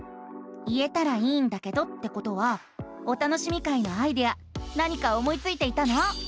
「言えたらいいんだけど」ってことは「お楽しみ会」のアイデア何か思いついていたの？